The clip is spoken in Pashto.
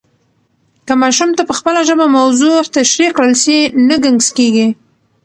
که ماشوم ته په خپله ژبه موضوع تشریح کړل سي، نه ګنګس کېږي.